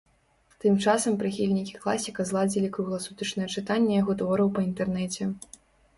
Тым часам прыхільнікі класіка зладзілі кругласутачнае чытанне яго твораў па інтэрнэце.